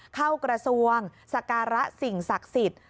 เข้ากระทรวงสการะสิ่งศักดิ์สิทธิ์